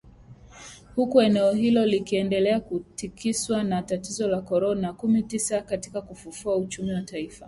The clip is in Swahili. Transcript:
Huku eneo hilo likiendelea kutikiswa na tatizo la korona kumi tisa katika kufufua uchumi wa taifa